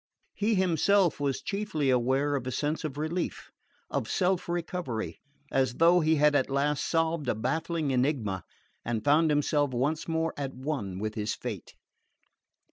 He himself was chiefly aware of a sense of relief, of self recovery, as though he had at last solved a baffling enigma and found himself once more at one with his fate.